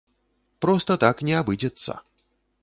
Проста так не абыдзецца.